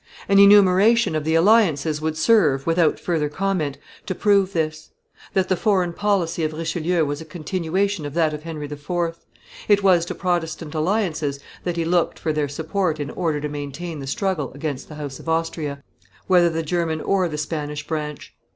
An enumeration of the alliances would serve, without further comment, to prove this: that the foreign policy of Richelieu was a continuation of that of Henry IV.; it was to Protestant alliances that he looked for their support in order to maintain the struggle against the house of Austria, whether the German or the Spanish branch.